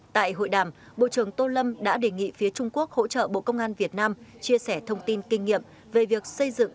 tại hội đàm bộ trưởng tô lâm đã đề nghị phía trung quốc hỗ trợ bộ công an việt nam chia sẻ thông tin kinh nghiệm về việc xây dựng